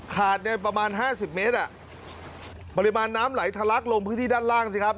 เนี่ยประมาณห้าสิบเมตรอ่ะปริมาณน้ำไหลทะลักลงพื้นที่ด้านล่างสิครับ